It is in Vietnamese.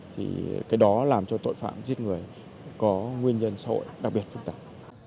thì cái đó làm cho tội phạm giết người có nguyên nhân xã hội đặc biệt phức tạp